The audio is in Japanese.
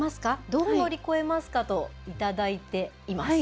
どう乗り越えますかと頂いています。